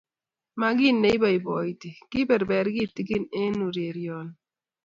Ma kiy nei poipoiti . Kebeber kitikin eng' ureryoni.